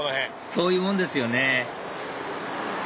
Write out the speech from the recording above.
そういうもんですよね